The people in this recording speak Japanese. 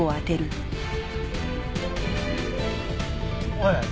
おい！